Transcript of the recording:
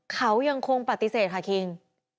เขายังคงปฏิเสธค่ะคิง